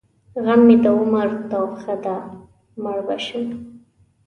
غم مې د عمر توښه ده؛ مړ به شم.